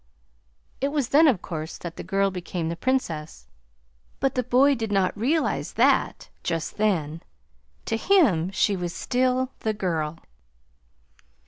It was then, of course, that the girl became the Princess, but the boy did not realize that just then. To him she was still 'the girl.'